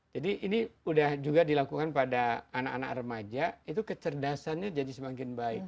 jadi ini udah juga dilakukan pada anak anak remaja itu kecerdasannya jadi semakin baik